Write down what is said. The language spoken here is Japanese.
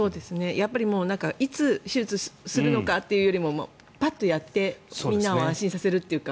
やっぱりいつ手術するのかというよりもパッとやってみんなを安心させるというか。